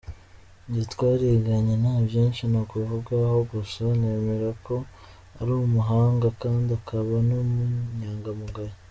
jye twariganye nta byinshi nakuvugaho gusa nemera ko uri umuhanga kandi ukaba n' inyangamugayo.